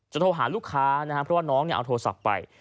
จะโทรหาลูกค้าเพราะว่าน้องเอาโทรศัพท์ไป